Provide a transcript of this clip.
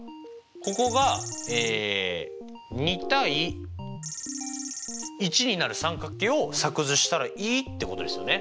ここが２：１になる三角形を作図したらいいってことですよね？